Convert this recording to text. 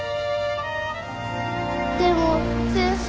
でも先生